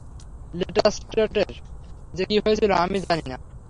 লেস্ট্যাটের যে কী হয়েছিল, আমি জানি না।